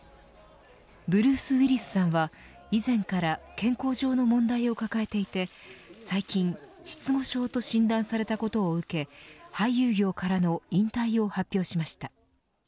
ブルース・ウィリスさんは以前から健康上の問題を抱えていて最近失語症と診断されたことを受け俳優業からの引退を発表しました。